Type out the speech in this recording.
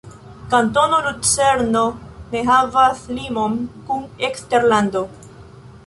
Kantono Lucerno ne havas limon kun eksterlando.